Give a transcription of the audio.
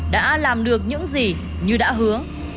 đã làm được những gì như đã hứa